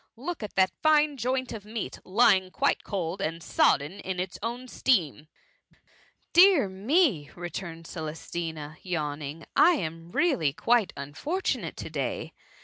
look at that fine joint of meat, lying quite cold and sodden in its own steam.*" Dear me !^ returned Celestina, yawning, I am really quite unfortunate to day